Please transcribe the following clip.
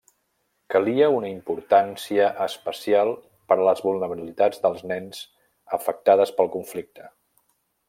Calia una importància especial per a les vulnerabilitats dels nens afectades pel conflicte.